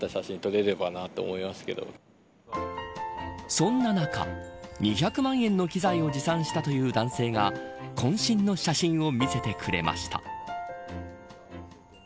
そんな中、２００万円の機材を持参したという男性がこん身の写真を見せてくれました。